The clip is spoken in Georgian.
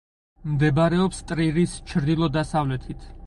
მდებარეობს ტრირის ჩრდილო-დასავლეთით.